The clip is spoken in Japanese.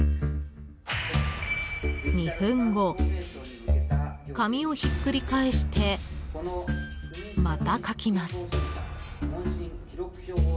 ２分後、紙をひっくり返してまた書きます。